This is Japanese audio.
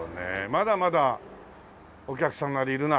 まだまだお客さんがいるな。